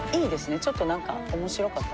ちょっとなんか面白かった。